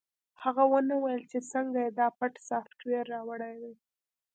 هغه ونه ویل چې څنګه یې دا پټ سافټویر راوړی دی